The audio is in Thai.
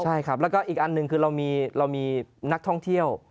ใช่ครับแล้วก็อีกอันหนึ่งคือเรามีนักท่องเที่ยว